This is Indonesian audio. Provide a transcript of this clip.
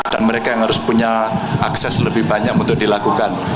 dan mereka yang harus punya akses lebih banyak untuk dilakukan